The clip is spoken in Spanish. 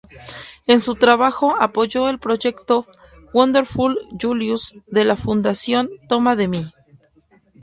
En su trabajó apoyó el proyecto Wonderful Julius de la fundación Toma de mí.